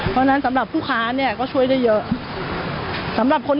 เพราะฉะนั้นสำหรับผู้ค้าเนี่ยก็ช่วยได้เยอะ